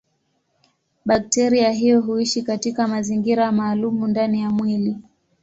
Bakteria hiyo huishi katika mazingira maalumu ndani ya mwili.